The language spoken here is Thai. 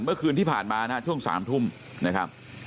เมื่อคืนที่ผ่านมาช่วงจมูก๓โทษนะครับ